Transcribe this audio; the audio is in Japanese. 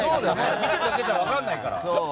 見ているだけじゃ分からないから。